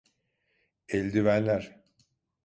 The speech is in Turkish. Eldivenler…